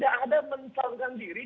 tidak ada mencalonkan diri